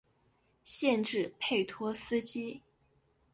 县治佩托斯基。